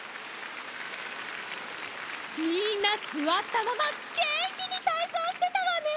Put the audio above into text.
みんなすわったままげんきにたいそうしてたわね！